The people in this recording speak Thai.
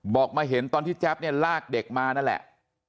บอกมาเห็นตอนที่แจ๊บเนี่ยลากเด็กมานั่นแหละ